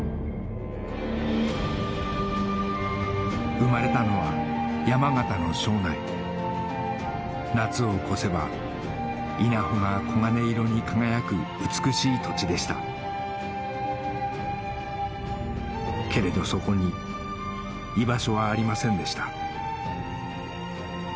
生まれたのは山形の庄内夏を越せば稲穂が黄金色に輝く美しい土地でしたけれどそこに居場所はありませんでした